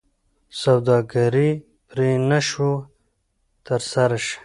سوداګري پرې نه شوه ترسره شي.